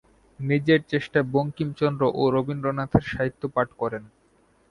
নিজের চেষ্টায় বঙ্কিমচন্দ্র ও রবীন্দ্রনাথের সাহিত্য পাঠ করেন।